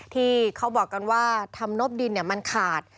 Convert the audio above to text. ที่เขาบอกกันว่าทำนบดินมันขาด